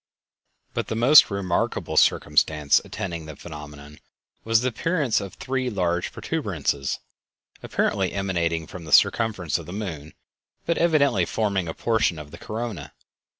But the most remarkable circumstance attending the phenomenon was the appearance of three large protuberances apparently emanating from the circumference of the moon, but evidently forming a portion of the corona.